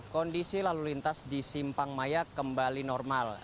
kondisi lalu lintas di simpang maya kembali normal